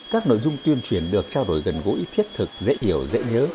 các nội dung tuyên truyền được trao đổi gần gũi thiết thực dễ hiểu dễ nhớ